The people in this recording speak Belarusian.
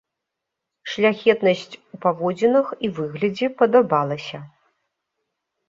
Шляхетнасць у паводзінах і выглядзе падабалася.